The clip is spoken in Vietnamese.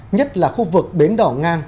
nhất là khu vực bến đỏ ngang